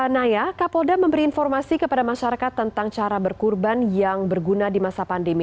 naya kapolda memberi informasi kepada masyarakat tentang cara berkurban yang berguna di masa pandemi